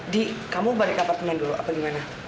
di kamu balik apartemen dulu apa gimana